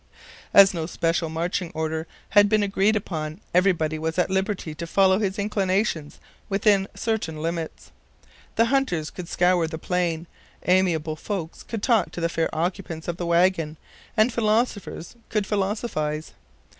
As no special marching order had been agreed upon, everybody was at liberty to follow his inclinations within certain limits. The hunters could scour the plain, amiable folks could talk to the fair occupants of the wagon, and philosophers could philosophize.